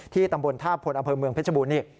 ตำบลท่าพลอำเภอเมืองเพชรบูรณนี่